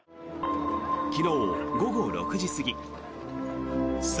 昨日午後６時過ぎ侍